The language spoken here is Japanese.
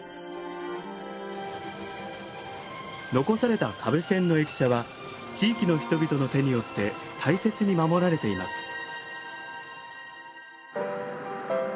残された可部線の駅舎は地域の人々の手によって大切に守られています。